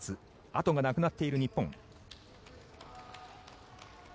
後がなくなっている日本。